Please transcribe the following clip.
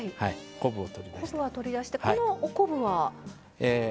昆布は取り出してこのお昆布は？